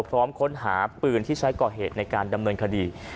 พร้อมค้นหาปืนที่ใช้ก่อเหตุในการดำเนินคดี